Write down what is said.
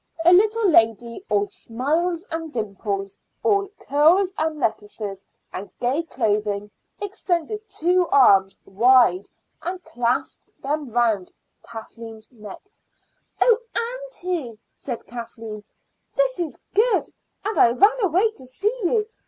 A little lady, all smiles and dimples, all curls and necklaces and gay clothing, extended two arms wide and clasped them round Kathleen's neck. "Ah, aunty!" said Kathleen, "this is good. And I ran away to see you.